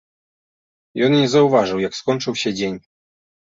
Ён і не заўважыў, як скончыўся дзень.